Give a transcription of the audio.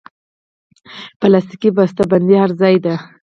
پلاستيکي بستهبندي هر ځای ده.